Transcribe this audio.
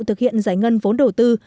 thực hiện giải ngân vốn đầu tư